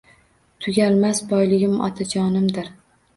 Tugalmas boyligim otajonimdir